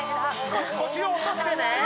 少し腰を落としてね